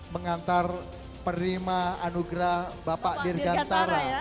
mengantar perima anugerah bapak dirgantara